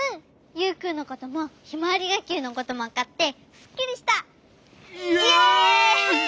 ユウくんのこともひまわりがっきゅうのこともわかってすっきりした！イェイ！